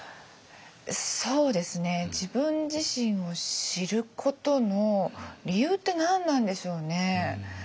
そうですね自分自身を知ることの理由って何なんでしょうね。